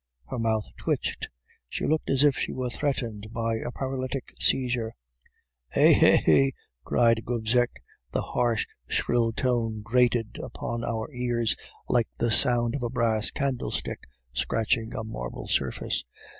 "Her mouth twitched, she looked as if she were threatened by a paralytic seizure. "'Eh! eh!' cried Gobseck; the harsh, shrill tone grated upon our ears like the sound of a brass candlestick scratching a marble surface.